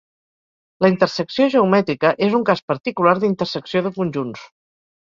La intersecció geomètrica és un cas particular d'intersecció de conjunts.